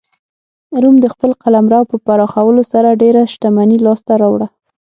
روم د خپل قلمرو په پراخولو سره ډېره شتمني لاسته راوړه